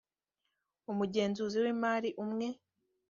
umugenzuzi w’imari umwe